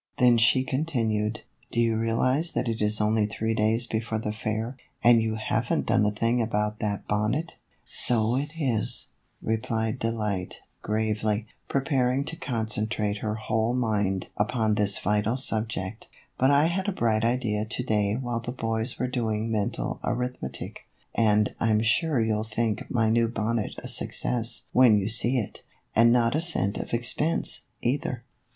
Then she con tinued, " Do you realize that it is only three days before the fair, and you have n't done a thing about that bonnet ?"" So it is," replied Delight, gravely, preparing to concentrate her whole mind upon this vital subject ;" but I had a bright idea to day while the boys were doing mental arithmetic, and I 'm sure you '11 think my new bonnet a success when you see it, and not a cent of expense, either."